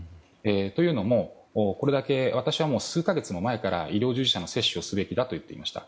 というのも、これだけ私は数か月も前から医療従事者の接種をすべきだと言っていました。